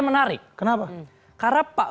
menarik kenapa karena pak